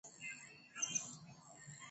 baada ya kuvunjika kwa mkataba